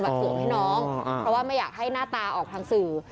สวมให้น้องเพราะว่าไม่อยากให้หน้าตาออกทางสื่อ